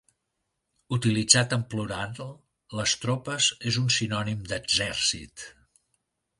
Utilitzat en plural, les tropes és un sinònim d'exèrcit.